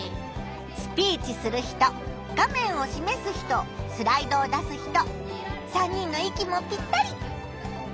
スピーチする人画面をしめす人スライドを出す人３人の息もぴったり！